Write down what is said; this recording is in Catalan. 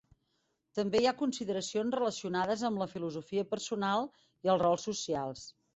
També hi ha consideracions relacionades amb la filosofia personal i els rols socials.